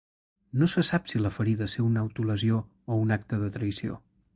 No se sap si la ferida ser una autolesió o un acte de traïció.